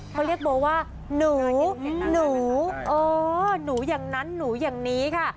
เขาเรียกโบว่าหนูหนูเออหนูอย่างนั้นหนูอย่างนี้ค่ะ